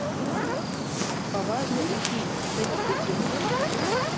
Паважна і пільна цэліцца цівун.